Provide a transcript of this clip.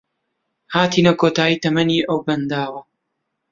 هاتینە کۆتایی تەمەنی ئەو بەنداوە